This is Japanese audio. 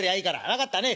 分かったね。